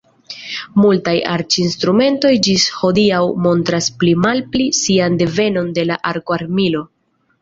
Multaj arĉinstrumentoj ĝis hodiaŭ montras pli malpli sian devenon de la arko-armilo.